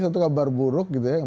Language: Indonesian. satu kabar buruk gitu ya